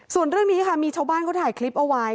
ส่วนเรื่องนี้ค่ะมีชาวบ้านเขาถ่ายคลิปเอาไว้